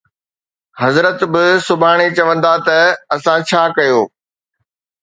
حضرت به سڀاڻي چوندا ته اسان ڇا ڪيو